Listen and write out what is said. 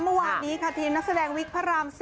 เมื่อวานนี้ค่ะทีมนักแสดงวิกพระราม๔